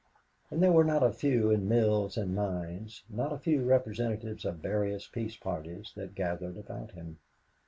And there were not a few in mills and mines, not a few representatives of various peace parties, that gathered about him.